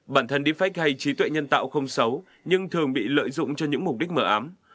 bản thân defect hay trí tuệ nhân tạo không xấu nhưng thường bị lợi dụng cho những mục đích mở ám